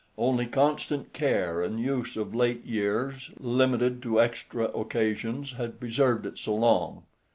Only constant care, and use of late years limited to extra occasions, had preserved it so long.